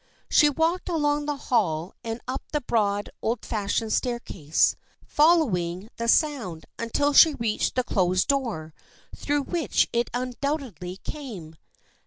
She walked along the hall and up the broad old fashioned staircase, following the sound until she reached the closed door through which it undoubtedly came.